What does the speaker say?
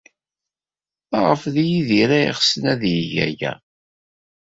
Maɣef d Yidir ay ɣsen ad yeg aya?